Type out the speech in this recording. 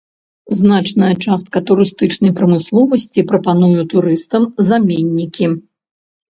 Значная частка турыстычнай прамысловасці прапануе турыстам заменнікі.